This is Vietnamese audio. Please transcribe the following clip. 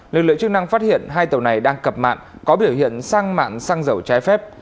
lực lượng chức năng phát hiện hai tàu này đang cập mạng có biểu hiện sang mạn xăng dầu trái phép